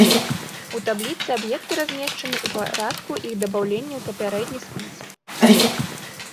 У табліцы аб'екты размешчаны ў парадку іх дабаўлення ў папярэдні спіс.